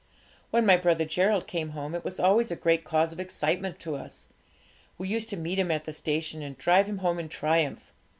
'When my brother Gerald came home, it was always a great cause of excitement to us. We used to meet him at the station, and drive him home in triumph.